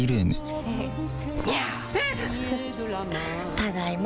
ただいま。